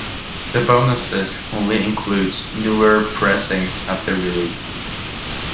The bonus disc only includes newer pressings of the release.